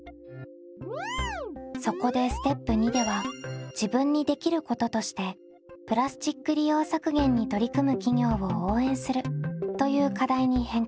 そこでステップ②では自分にできることとしてプラスチック利用削減に取り組む企業を応援するという課題に変更。